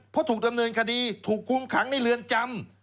เพราะถูกดำเนินคดีถูกคุมขังในเรือนจำ